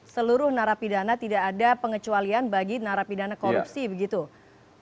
seluruh narapidana tidak ada pengecualian bagi narapidana korupsi begitu ya